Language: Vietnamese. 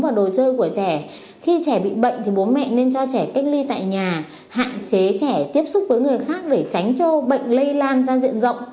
và đồ chơi của trẻ khi trẻ bị bệnh thì bố mẹ nên cho trẻ cách ly tại nhà hạn chế trẻ tiếp xúc với người khác để tránh cho bệnh lây lan ra diện rộng